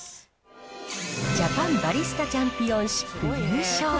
ジャパンバリスタチャンピオンシップ優勝。